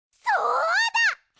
そうだ！